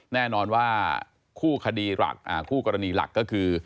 แน่นอนว่าคู่คดีหลักคู่กรณีหลักก็คือ